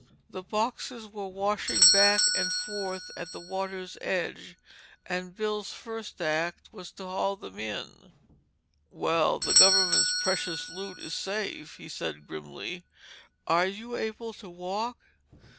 The boxes were washing back and forth at the water's edge and Bill's first act was to haul them in. "Well, the government's precious loot is safe," he said grimly. "Are you able to walk?"